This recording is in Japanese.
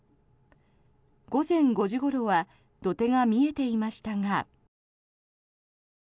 午前５時ごろは土手が見えていましたが。